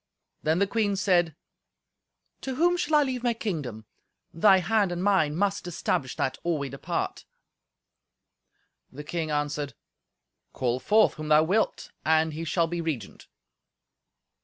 Then the queen said, "To whom shall I leave my kingdom? Thy hand and mine must establish that or we depart." The king answered, "Call forth whom thou wilt, and he shall be regent."